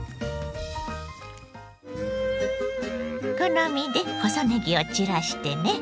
好みで細ねぎを散らしてね。